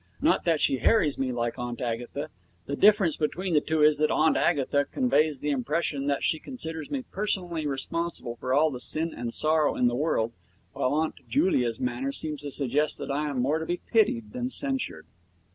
Not that she harries me like Aunt Agatha. The difference between the two is that Aunt Agatha conveys the impression that she considers me personally responsible for all the sin and sorrow in the world, while Aunt Julia's manner seems to suggest that I am more to be pitied than censured.